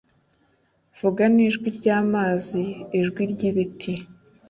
Vuga n'ijwi ry'amazi ijwi ry'ibiti